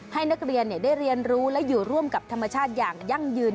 ให้นักเรียนได้เรียนรู้และอยู่ร่วมกับธรรมชาติอย่างยั่งยืน